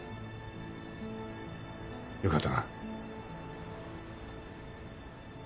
よかったな。